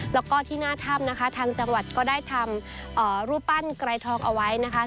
แล้วก็ที่หน้าถ้ำนะคะทางจังหวัดก็ได้ทำรูปปั้นไกรทองเอาไว้นะคะ